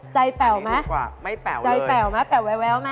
ใจแป๋วไหมใจแป๋วไหมแป๋วแววไหม